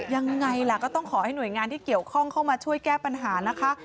ยังไงล่ะก็ต้องขอให้หน่วยงานที่เกี่ยวข้องเข้ามาช่วยแก้ปัญหานะคะ